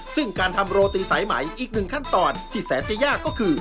ซึ่งการทำโรตีสายใหม่อีกหนึ่งขั้นตอนที่แสนจะยากก็คือ